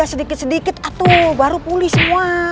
sedikit sedikit aduh baru pulih semua